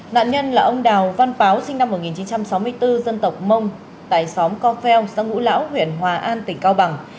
nạn nhân là ông đào văn báo sinh năm một nghìn chín trăm sáu mươi bốn dân tộc mông tại xóm co pheo xã ngũ lão huyện hòa an tỉnh cao bằng